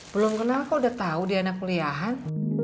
belum kenal kok udah tahu dia anak kuliahan